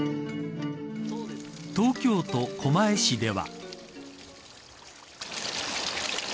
東京都狛江市では。